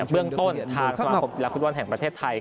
เบื้องต้นทางสมาคมกีฬาฟุตบอลแห่งประเทศไทย